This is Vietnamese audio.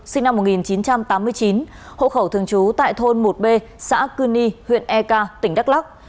sinh năm một nghìn chín trăm tám mươi chín hộ khẩu thường trú tại thôn một b xã cư ni huyện ek tỉnh đắk lắc